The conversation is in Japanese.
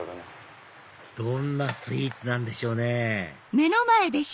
どんなスイーツなんでしょうね？